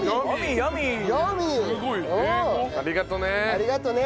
ありがとうね。